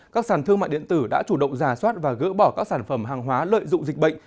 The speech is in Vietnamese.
các sản thương mại điện tử đã chủ động giả soát và gỡ bỏ các sản phẩm hàng hóa lợi dụng dịch bệnh